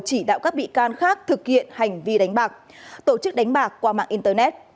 chỉ đạo các bị can khác thực hiện hành vi đánh bạc tổ chức đánh bạc qua mạng internet